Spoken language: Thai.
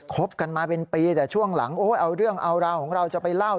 บกันมาเป็นปีแต่ช่วงหลังเอาเรื่องเอาราวของเราจะไปเล่า